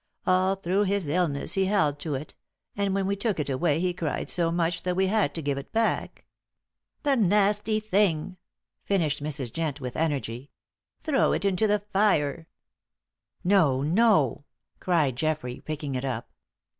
All through his illness he held to it, and when we took it away he cried so much that we had to give it back. The nasty thing!" finished Mrs. Jent with energy. "Throw it into the fire." "No, no," cried Geoffrey, picking it up.